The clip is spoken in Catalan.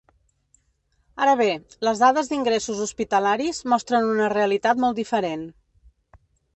Ara bé, les dades d’ingressos hospitalaris mostren una realitat molt diferent.